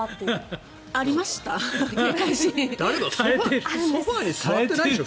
だけど、ソファに座ってないでしょ。